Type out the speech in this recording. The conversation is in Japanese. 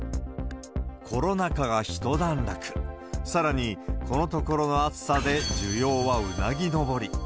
コロナ禍がひと段落、さらに、このところの暑さで需要はうなぎ登り。